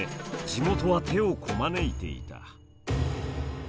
地元は手をこまねいていた。